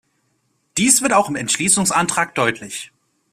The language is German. Dies wird im Entschließungsantrag deutlich.